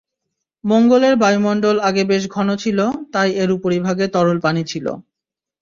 মঙ্গলের বায়ুমন্ডল আগে বেশ ঘন ছিল, তাই এর উপরিভাগে তরল পানি ছিল।